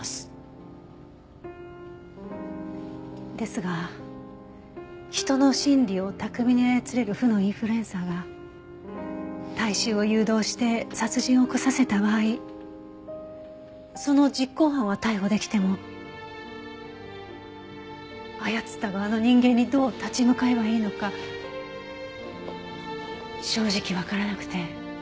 ですが人の心理を巧みに操れる負のインフルエンサーが大衆を誘導して殺人を起こさせた場合その実行犯は逮捕できても操った側の人間にどう立ち向かえばいいのか正直わからなくて。